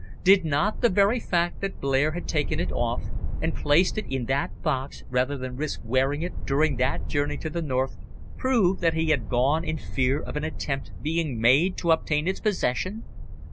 Did not the very fact that Blair had taken it off and placed it in that box rather than risk wearing it during that journey to the North prove that he had gone in fear of an attempt being made to obtain its possession?